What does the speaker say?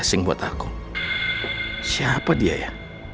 gue ambil atau baru